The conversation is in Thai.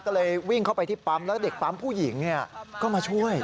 ก็เลยวิ่งเข้าไปที่ปั๊มแล้วเด็กปั๊มผู้หญิงก็มาช่วย